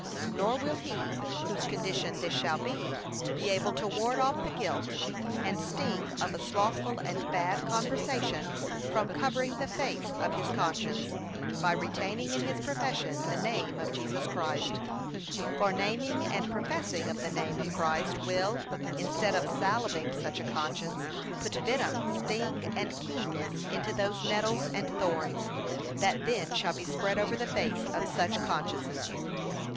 Nor will he, whose condition this shall be, be able to ward off the guilt and sting of a slothful and bad conversation, from covering the face of his conscience, by retaining in his profession the name of Jesus Christ: for naming and professing of the name of Christ will, instead of salving such a conscience, put venom, sting, and keenness into those nettles and thorns, that then shall be spread over the face of such consciences.